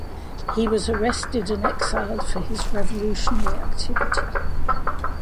He was arrested and exiled for his revolutionary activity.